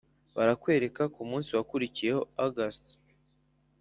barakwereka ku munsi wakurikiyeho august